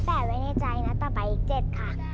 แต่ไว้ในใจนะต่อไปอีก๗ค่ะ